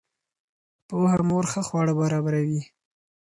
پوهه مور ښه خواړه برابروي.